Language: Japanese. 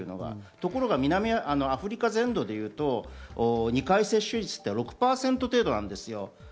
ところがアフリカ全土でいうと、２回接種率は６％程度です。